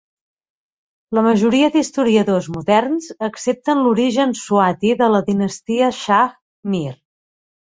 La majoria d'historiadors moderns accepten l'origen swati de la dinastia Shah Mir.